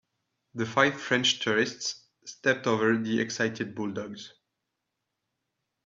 The five French tourists stepped over the excited bulldogs.